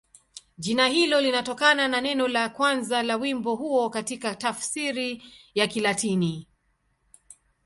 Jina hilo linatokana na neno la kwanza la wimbo huo katika tafsiri ya Kilatini.